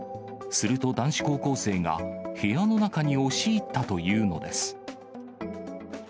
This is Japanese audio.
すると、男子高校生が部屋の中に押し入ったというのです。